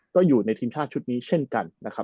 ก็อยู่ในทีมชาติชุดนี้เช่นกันนะครับ